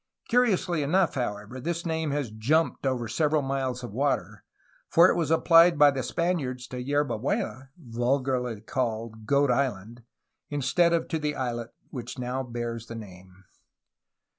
Curiously enough, however, this name has jumped over several miles of water, for it was 280 A HISTORY OF CALIFORNIA applied by the Spaniards to Yerba Buena (vulgarly called Goat Island) instead of to the islet which now bears the name.